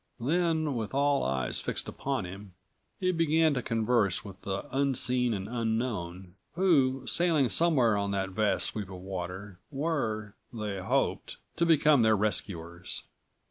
Then, with all eyes fixed upon him, he began to converse with the unseen and unknown, who, sailing somewhere on that vast sweep of water, were, they hoped, to become their rescuers.